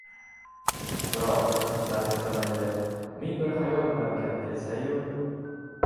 Biroq bir kimsa restoranga ming bir xayol bilan kirib kelsa-yu